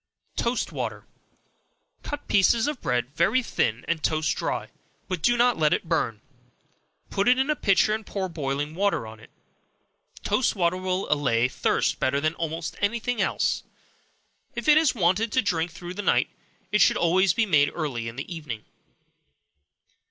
Toast Water. Cut slices of bread very thin, and toast dry, but do not let it burn; put it in a pitcher, and pour boiling water on it. Toast water will allay thirst better than almost any thing else. If it is wanted to drink through the night, it should always be made early in the evening.